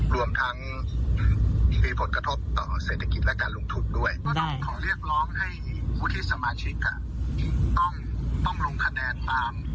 ปัญหามันอยู่ที่สมาชิกวิทย์สภาครับ